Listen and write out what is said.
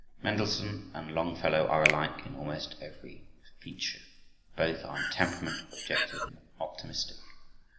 Mendelssohn and Longfellow are alike in almost every feature. Both are in temperament objective and optimistic.